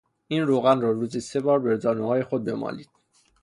این روغن را روزی سه بار به زانوهای خود بمالید.